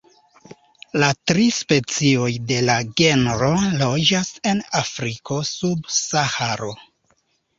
La tri specioj de la genro loĝas en Afriko sub Saharo.